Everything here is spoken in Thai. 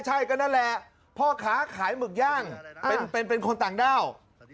ใช่ก็นั่นแหละพ่อค้าขายหมึกย่างเป็นคนต่างด้าว